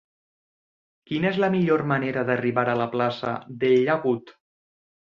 Quina és la millor manera d'arribar a la plaça del Llagut?